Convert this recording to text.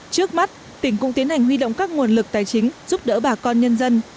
trước mắt tỉnh cũng tiến hành huy động các nguồn lực tài chính giúp đỡ bà con nhân dân